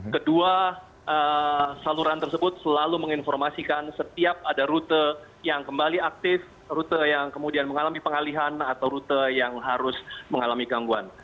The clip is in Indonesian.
kedua saluran tersebut selalu menginformasikan setiap ada rute yang kembali aktif rute yang kemudian mengalami pengalihan atau rute yang harus mengalami gangguan